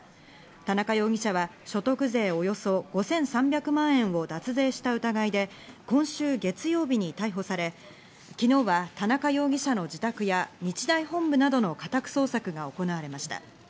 田中容疑者は所得税およそ５３００万円を脱税した疑いで、今週月曜日に逮捕され、昨日は田中容疑者の自宅や日大本部などの家宅捜索が行われました。